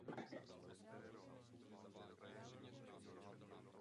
Vlajku s rozložením podobnému české vlajce je možno považovat za vlajku departementu.